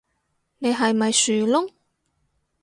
你係咪樹窿